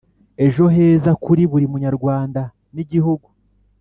ejo heza kuri buri Munyarwanda n Igihugu